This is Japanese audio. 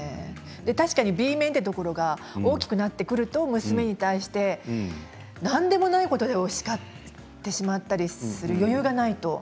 確かにＢ面っていうところが大きくなってくると娘に対して何でもないことでしかってしまったりする余裕がないと。